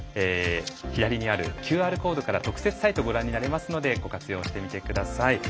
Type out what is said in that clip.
左にあるＱＲコードから特設サイトご覧になれますのでご活用してみてください。